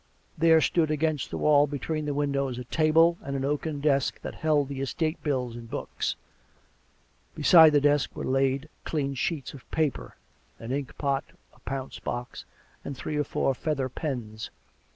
... There stood against the wall between the windows a table and an oaken desk that held the estate bills and books; and beside the desk were laid clean sheets of paper, an ink pot, a pounce box, and three or four feather pens.